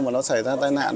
mà nó xảy ra tai nạn